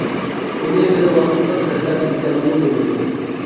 بۇنى بىر ۋاقىتلىق سەپەر دېسەممۇ بولىدۇ.